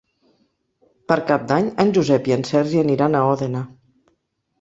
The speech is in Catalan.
Per Cap d'Any en Josep i en Sergi aniran a Òdena.